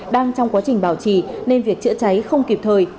đang trong quá trình bảo trì nên việc chữa cháy không kịp thời